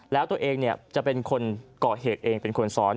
แล้วตัวเองจะเป็นคนก่อเหตุเองเป็นคนซ้อน